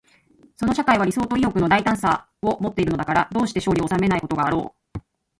その社会は理想と意欲の大胆さとをもっているのだから、どうして勝利を収めないことがあろう。